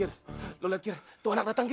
kir lo liat kir itu anak datang kir